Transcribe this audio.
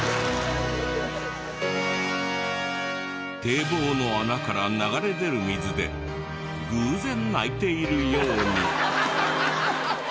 堤防の穴から流れ出る水で偶然泣いているように。